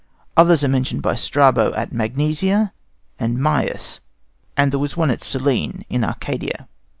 Others are mentioned by Strabo at Magnesia and Myus, and there was one at Cyllene, in Arcadia.